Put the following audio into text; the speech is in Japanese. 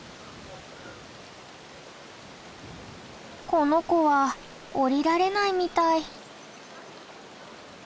この子は下りられないみたい。